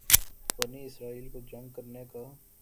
بنی اسرائیل کو جنگ کرنے کا